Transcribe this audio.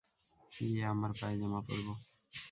গিয়ে আমার পায়জামা পরবো।